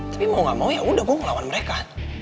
tapi mau gak mau ya udah gue ngelawan mereka